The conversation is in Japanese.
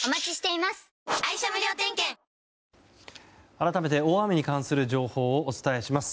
改めて、大雨に関する情報をお伝えします。